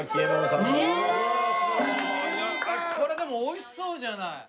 これでもおいしそうじゃない！